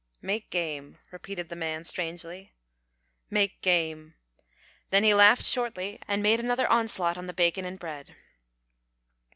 "Make game," repeated the man, strangely, "make game," then he laughed shortly, and made another onslaught on the bacon and bread.